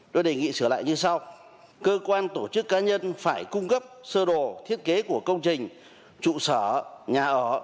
tôi đề nghị sửa lại như sau cơ quan tổ chức cá nhân phải cung cấp sơ đồ thiết kế của công trình trụ sở nhà ở